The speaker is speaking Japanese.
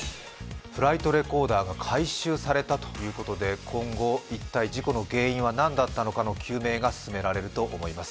フライトレコーダーが回収されたと言うことで今後、一体事故の原因は何だったのかの究明が進められると思います。